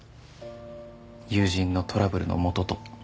友人のトラブルのもとと。